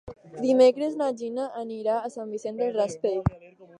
Dimecres na Gina anirà a Sant Vicent del Raspeig.